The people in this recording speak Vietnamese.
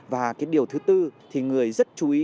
và cái điều thứ tư thì người rất chú ý